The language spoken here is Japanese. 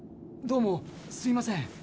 どうもすいません。